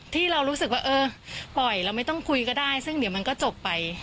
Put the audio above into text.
ที่เรารู้สึกว่าเออปล่อยเราไม่ต้องคุยก็ได้ซึ่งเดี๋ยวมันก็จบไป